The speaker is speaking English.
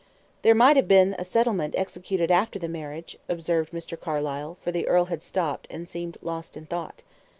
"There might have been a settlement executed after the marriage," observed Mr. Carlyle, for the earl had stopped, and seemed lost in thought.